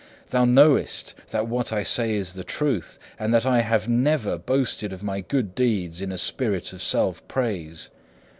Thou knowest that what I say is the truth, and that I have never boasted of my good deeds in a spirit of self praise.